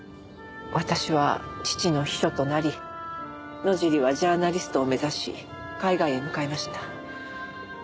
私は父の秘書となり野尻はジャーナリストを目指し海外へ向かいました。